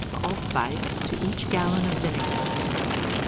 of allspice to each gallon of vinegar.